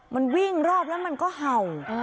มันวิ่งรอบแล้วมันก็เห่า